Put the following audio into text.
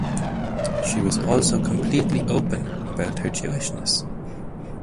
She was also completely open about her Jewishness.